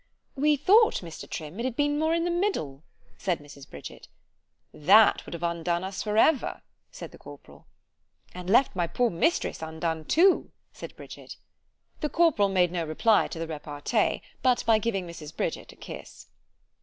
We thought, Mr. Trim, it had been more in the middle,——said Mrs. Bridget—— That would have undone us for ever—said the corporal. ——And left my poor mistress undone too, said Bridget. The corporal made no reply to the repartee, but by giving Mrs. Bridget a kiss.